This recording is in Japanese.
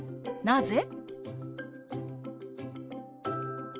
「なぜ？」。